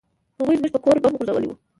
هغوى زموږ پر کور بم غورځولى و.